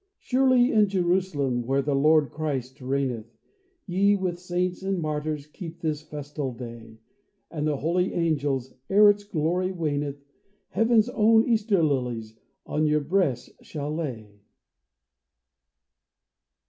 Surely in Jerusalem, where the Lord Christ reigneth, Ye with saints and martyrs keep this festal day — And the holy angels, ere its glory waneth. Heaven's own Easter Lilies on your breasts shall lay